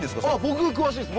僕詳しいです。